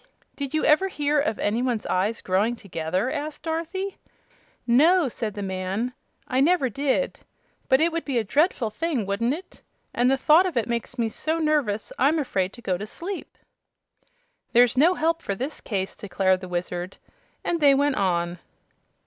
"Did you ever hear of any one's eyes growing together?" asked Dorothy. "No," said the man, "I never did. But it would be a dreadful thing, wouldn't it? And the thought of it makes me so nervous I'm afraid to go to sleep." "There's no help for this case," declared the Wizard; and they went on.